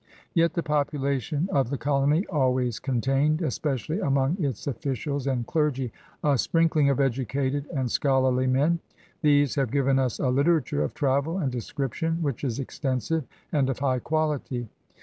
Yet the population of the colony always contained, especially among its officials and clergy, a sprinkling of educated and scholarly men. These have given us a literature of travel and description which is extensive and of high quality.